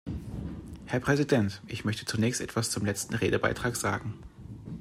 Herr Präsident! Ich möchte zunächst etwas zum letzten Redebeitrag sagen.